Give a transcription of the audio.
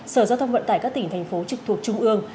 sở giao thông vận tải các tỉnh thành phố trực thuộc trung ương